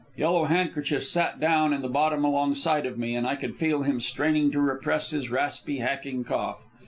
Yellow Handkerchief sat down in the bottom alongside of me, and I could feel him straining to repress his raspy, hacking cough.